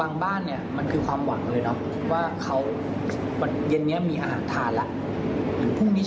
เราจะพยายามทำหน้าที่นี้หน้าที่เล็กของเรา